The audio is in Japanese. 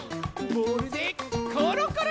ボールでコロコロしよー！